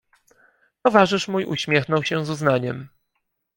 "Towarzysz mój uśmiechnął się z uznaniem."